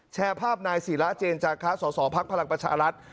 แชร์ภาพนายสีระเจนจากค้าสอสอภัครักษ์ประหลักประชารัฐ